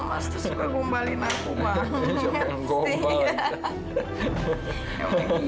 mas tuh suka gombalin aku banget